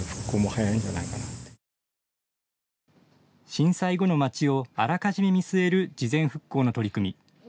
震災後の街をあらかじめ見据える事前復興の取り組み。